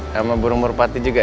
sama burung murpati juga ya